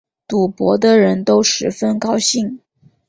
赌博的人都十分高兴